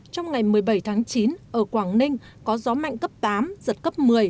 trong ngày một mươi bảy tháng chín ở quảng ninh có gió mạnh cấp tám giật cấp một mươi